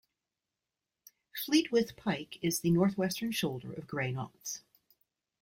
Fleetwith Pike is the north-western shoulder of Grey Knotts.